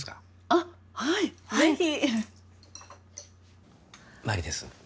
あっはいぜひ真理です